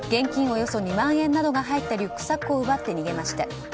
およそ２万円などが入ったリュックサックを奪って逃げました。